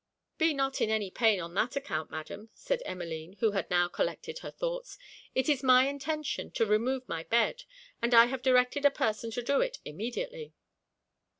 'Be not in any pain on that account, Madam,' said Emmeline, who had now collected her thoughts; 'it is my intention to remove my bed, and I have directed a person to do it immediately.'